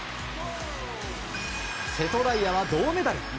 瀬戸大也は銅メダル。